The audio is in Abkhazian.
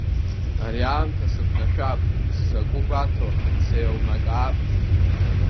Ари аамҭа сыԥнашәап, сзакәу гәаҭо, сеилнакаап.